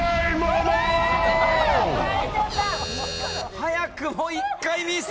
早くも１回ミス。